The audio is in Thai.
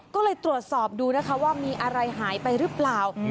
ก็เลยตรวจสอบดูนะคะว่ามีอะไรหายไปหรือเปล่า